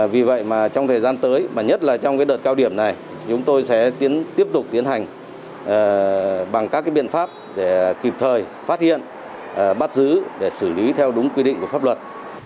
vì vậy mà trong thời gian tới mà nhất là trong đợt cao điểm này chúng tôi sẽ tiếp tục tiến hành bằng các biện pháp để kịp thời phát hiện bắt giữ để xử lý theo đúng quy định của pháp luật